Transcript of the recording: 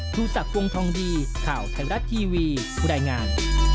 ทูศักดิ์วงธองดีข่าวไทยรัตน์ทีวีผู้ได้งาน